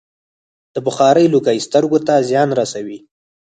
د بخارۍ لوګی سترګو ته زیان رسوي.